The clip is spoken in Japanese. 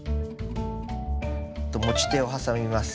持ち手を挟みます。